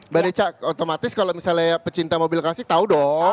mbd c otomatis kalau misalnya pecinta mobil kasih tau dong